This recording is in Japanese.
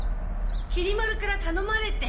きり丸からたのまれて。